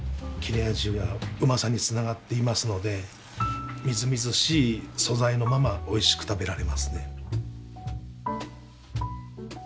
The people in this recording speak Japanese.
切れ味が旨さにつながっていますのでみずみずしい素材のままおいしく食べられますね。